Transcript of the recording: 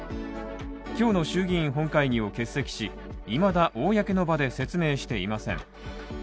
今日の衆議院・本会議を欠席し、いまだ公の場で説明していません。